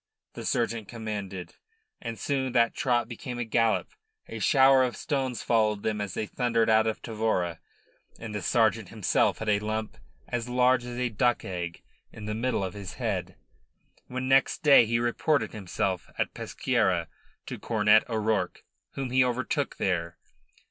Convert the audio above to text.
the sergeant commanded, and soon that trot became a gallop. A shower of stones followed them as they thundered out of Tavora, and the sergeant himself had a lump as large as a duck egg on the middle of his head when next day he reported himself at Pesqueira to Cornet O'Rourke, whom he overtook there.